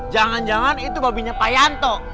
jangan jangan itu babinya pak rata